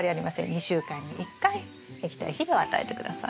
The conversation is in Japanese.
２週間に１回液体肥料を与えて下さい。